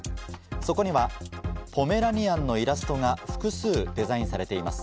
そこにはポメラニアンのイラストが複数デザインされています。